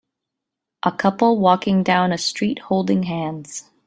A couple walking down a city street holding hands.